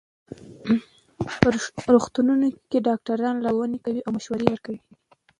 په روغتونونو کې ډاکټران لارښوونې کوي او مشوره ورکوي.